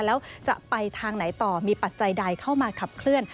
แล้วจะไปทางไหนต่อมีปัจจัยใดเข้ามาขับเคลื่อน